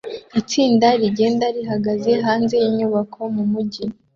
Itsinda rigenda rihagaze hanze yinyubako mumujyi